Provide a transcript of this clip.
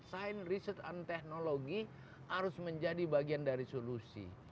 sign research and technology harus menjadi bagian dari solusi